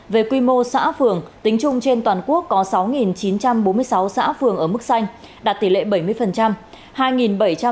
về quy mô xã phường tính chung trên toàn quốc có sáu chín trăm bốn mươi sáu xã phường ở mức xanh đạt tỷ lệ bảy mươi